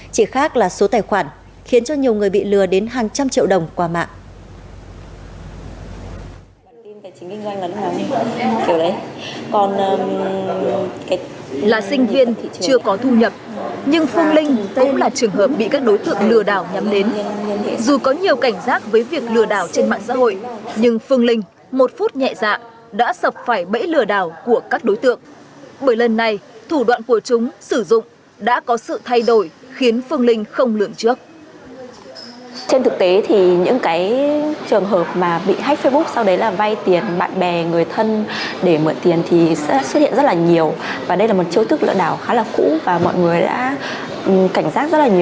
chỉ khác là số tài khoản khiến cho nhiều người bị lừa đến hàng trăm triệu đồng qua mạng